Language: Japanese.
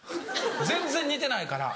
全然煮てないから。